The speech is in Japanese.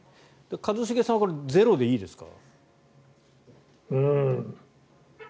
一茂さんは０でいいですか？